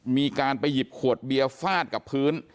มีการไปหยิบขวดเบียร์ฟาดกับพื้น